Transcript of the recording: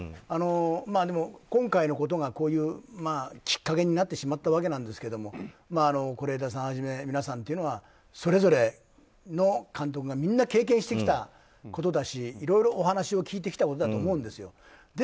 でも、今回のことがこういうきっかけになってしまったわけですが是枝さんはじめ皆さん、それぞれの監督がみんな経験してきたことだしいろいろお話を聞いてきたことと思うんですよ。